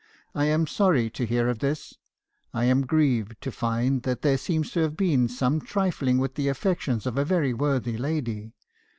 I am sorry to hear of this — I am grieved to find that there seems to have been some trifling with the affec tions of a very worthy lady.